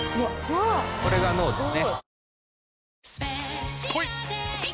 これが脳ですね。